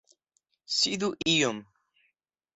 Sidu iom!